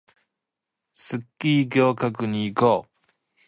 スギ薬局に行こう